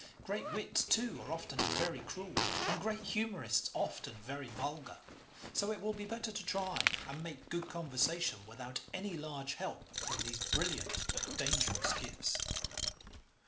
Great wits, too, are often very cruel, and great humourists often very vulgar, so it will be better to try and 'make good conversation without any large help from these brilliant but dangerous gifts.'